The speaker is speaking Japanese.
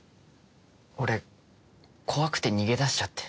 俺怖くて逃げ出しちゃって。